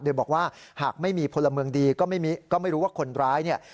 โดยบอกว่าหากไม่มีพลเมืองดีก็ไม่รู้ว่าคนร้ายเนี่ย